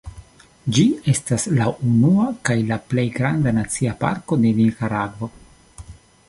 Ĝi estas la unua kaj la plej granda nacia parko de Nikaragvo.